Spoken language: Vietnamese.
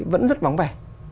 vẫn rất vắng vẻ